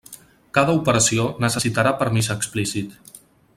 Cada operació necessitarà permís explícit.